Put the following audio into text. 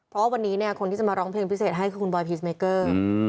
เพราะวันนี้เนี่ยคนที่จะมาร้องเพลงพิเศษให้คือคุณบอยพีชเมเกอร์